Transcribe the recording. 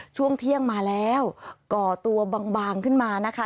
ช่วงเที่ยงมาแล้วก่อตัวบางขึ้นมานะคะ